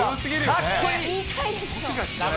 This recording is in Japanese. かっこいい！